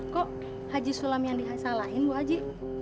kok haji sulam yang disalahin bu haji